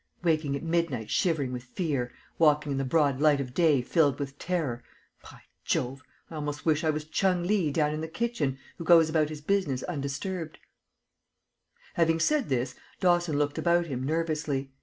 Waking at midnight shivering with fear, walking in the broad light of day filled with terror; by Jove! I almost wish I was Chung Lee down in the kitchen, who goes about his business undisturbed." [Illustration: "IT WAS TO BE THE EFFORT OF HIS LIFE"] Having said this, Dawson looked about him nervously.